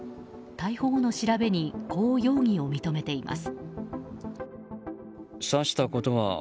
逮捕後の調べにこう容疑を認めています。